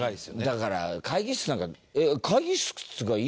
だから会議室なんか。